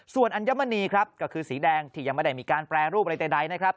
ส่วนอัญมณีครับก็คือสีแดงที่ยังไม่ได้มีการแปรรูปอะไรใดนะครับ